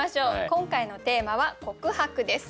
今回のテーマは「告白」です。